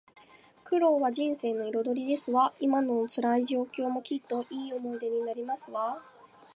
苦労は人生の彩りですわ。今の辛い状況も、きっといい思い出になりますわ